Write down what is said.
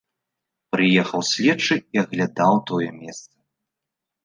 Прыехаў следчы і аглядаў тое месца.